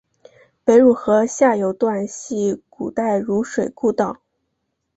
北汝河下游段系古代汝水故道。